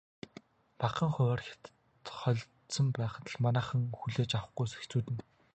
Багахан хувиар Хятад холилдсон байхад л манайхан хүлээж авахгүй хэцүүднэ.